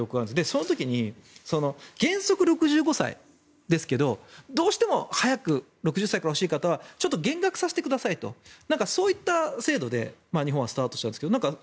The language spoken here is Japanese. その時に原則６５歳ですけどどうしても早く６０歳から欲しい方はちょっと減額させてくださいとそういった制度で日本はスタートしたんですが